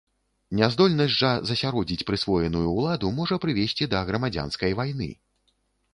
Няздольнасць жа засяродзіць прысвоеную ўладу можа прывесці да грамадзянскай вайны.